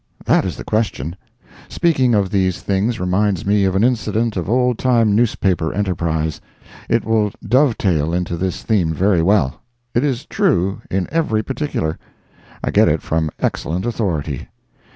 That is the question. Speaking of these things reminds me of an incident of old time newspaper enterprise. It will dovetail into this theme very well. It is true in every particular. I get it from excellent authority.